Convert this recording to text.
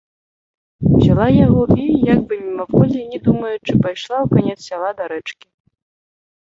Узяла яго і, як бы мімаволі, не думаючы, пайшла ў канец сяла да рэчкі.